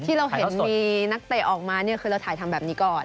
ที่เราเห็นมีนักเตะออกมาเนี่ยคือเราถ่ายทำแบบนี้ก่อน